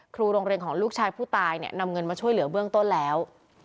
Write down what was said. ครูโรงเรียนของลูกชายผู้ตายเนี่ยนำเงินมาช่วยเหลือเบื้องต้นแล้ว